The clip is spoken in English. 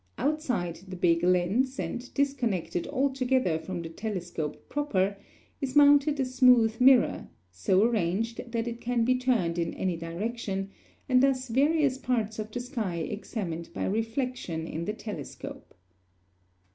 Outside the big lens, and disconnected altogether from the telescope proper, is mounted a smooth mirror, so arranged that it can be turned in any direction, and thus various parts of the sky examined by reflection in the telescope.